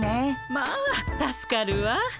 まあ助かるわ。